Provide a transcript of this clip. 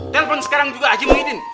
telepon sekarang juga haji mengidin